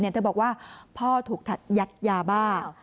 เธอบอกว่าพ่อถูกยัดยาบ้า